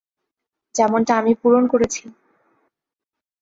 যেমনটা আমি পূরণ করেছি।